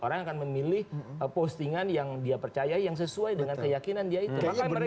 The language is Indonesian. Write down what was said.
orang akan memilih postingan yang dia percaya yang sesuai dengan keyakinan dia itu